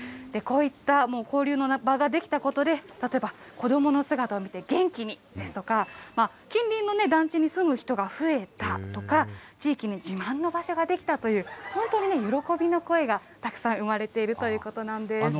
こういった交流の場が出来たことで、例えば子どもの姿を見て元気にですとか、近隣の団地に住む人が増えたとか、地域に自慢の場所が出来たという、本当にね、喜びの声がたくさん生まれているということなんです。